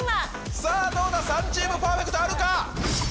さあどうだ、３チームパーフェクトあるか？